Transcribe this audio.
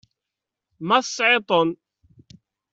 Ma tesɛiḍ-ten.